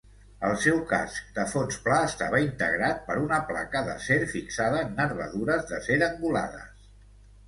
El seu casc de fons pla estava integrat per una placa d'acer fixada en nervadures d'acer angulades.